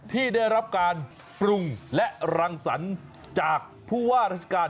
ที่ได้รับการปรุงและรังสรรค์จากผู้ว่าราชการ